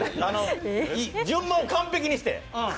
順番を完璧にして。